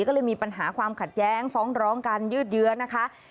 ก็เลยมีปัญหาความขัดแย้งฟ้องร้องกันยืดเยื้อนะคะ